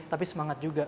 tapi semangat juga